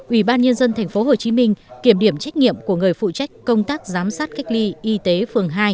ủy ban nhân dân tp hcm kiểm điểm trách nhiệm của người phụ trách công tác giám sát cách ly y tế phường hai